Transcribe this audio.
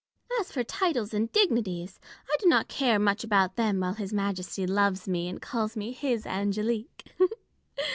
As for titles and dignities, I do not care much about them while His Majesty loves me, and calls me his Ang^lique.